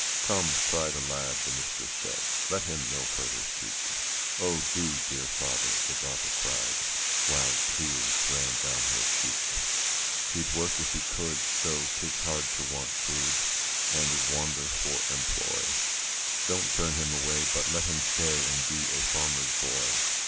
'Come, try the lad,' the mistress said, 'Let him no further seek.' 'O, do, dear father!' the daughter cried, While tears ran down her cheek: 'He'd work if he could, so 'tis hard to want food, And wander for employ; Don't turn him away, but let him stay, And be a farmer's boy.